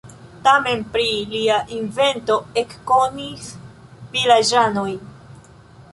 Tamen pri lia invento ekkonis vilaĝanoj.